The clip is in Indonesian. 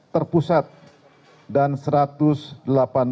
terpulang dari pukul enam belas wib